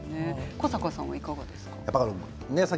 古坂さんはいかがですか。